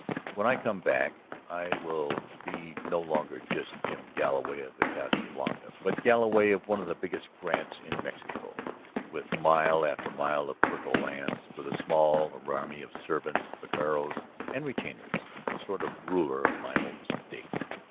... When I come back I will be no longer just Jim Galloway of the Casa Blanca, but Galloway of one of the biggest grants in Mexico, with mile after mile of fertile lands, with a small army of servants, vaqueros, and retainers, a sort of ruler of my own State!